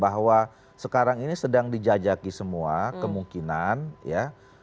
bahwa sekarang ini sedang dijajaki semua kemungkinan ya